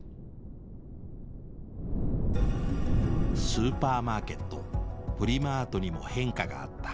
スーパーマーケットプリマートにも変化があった。